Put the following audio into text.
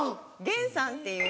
玄さんっていう。